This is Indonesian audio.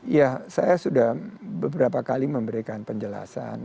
ya saya sudah beberapa kali memberikan penjelasan